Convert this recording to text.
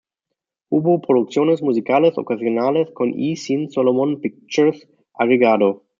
Hubo producciones musicales ocasionales con y sin Solomon Pictures agregado.